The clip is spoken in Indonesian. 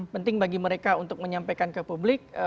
penting bagi mereka untuk menyampaikan ke publik